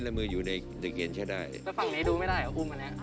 แล้วฝั่งนี้ดูไม่ได้เอาอุ้มอันนี้